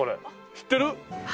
知ってる？